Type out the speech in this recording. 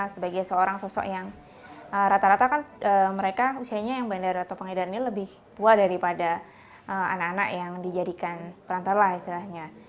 sebagai seorang sosok yang rata rata kan mereka usianya yang bandar atau pengedar ini lebih tua daripada anak anak yang dijadikan perantar lah istilahnya